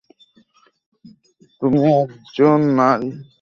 তুমি এখন একজন নারী।